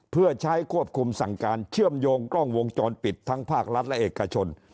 เพื่อใช้ควบคุมสั่งการเชื่อมโยงกล้องวงจรปิดทั้งภาครัฐและเอกชน